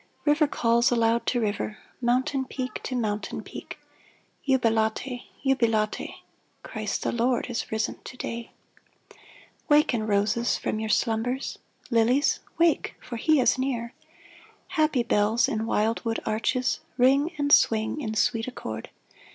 River calls aloud to river, Mountain peak to mountain peak — Jubilate ! Jubilate ! Christ the Lord is risen to day ! Waken, roses, from your slumbers ! Lilies, wake — for he is near ! Happy bells in wild wood arches, Ring and swing in sweet accord